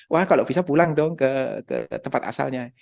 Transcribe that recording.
wah kalau bisa pulang dong ke tempat asalnya